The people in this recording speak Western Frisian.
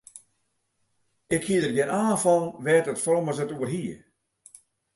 Ik hie der gjin aan fan wêr't it frommes it oer hie.